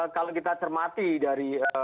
kalau kita cermati dari